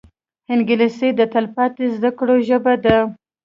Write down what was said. انګلیسي د تلپاتې زده کړو ژبه ده